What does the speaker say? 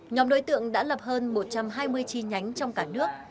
nhóm đối tượng đã lập hơn một trăm hai mươi chi nhánh trong cả nước